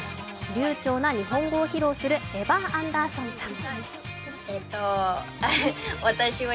流ちょうな日本語を披露するエヴァー・アンダーソンさん。